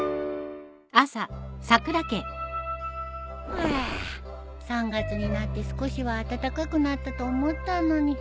ハア３月になって少しは暖かくなったと思ったのに寒いね。